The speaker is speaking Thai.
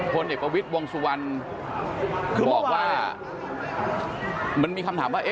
เด็กประวิทย์วงสุวรรณบอกว่ามันมีคำถามว่า